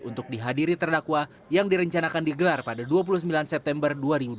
untuk dihadiri terdakwa yang direncanakan digelar pada dua puluh sembilan september dua ribu dua puluh